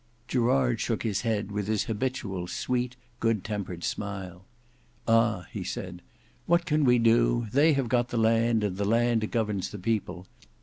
Gerard shook his head with his habitual sweet good tempered smile. "Ah!" said he, "what can we do; they have got the land, and the land governs the people.